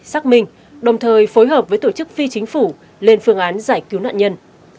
xác minh đồng thời phối hợp với tổ chức phi chính phủ lên phương án giải cứu nạn nhân